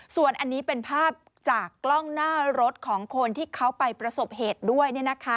ส่วนอันนี้เป็นภาพจากกล้องหน้ารถของคนที่เขาไปประสบเหตุด้วย